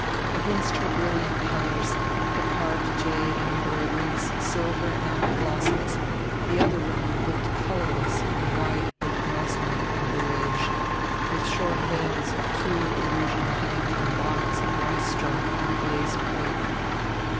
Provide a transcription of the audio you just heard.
Against her brilliant colors, the carved jade and embroideries, silver and apple blossoms, the other women looked colorless in wide book muslin and barége, with short veils of tulle illusion hanging from bonnets of rice straw and glazed crêpe.